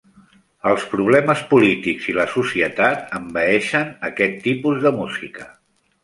Els problemes polítics i la societat envaeixen aquest tipus de música.